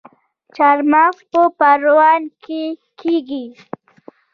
چارمغز په پروان کې کیږي